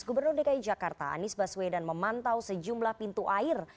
gubernur dki jakarta anies baswedan memantau sejumlah pintu air